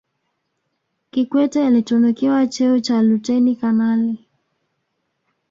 kikwete alitunukiwa cheo cha luteni kanali